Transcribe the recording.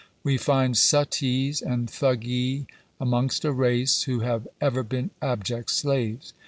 We find suttees and thuggee amongst a race who have ever been abject slaves.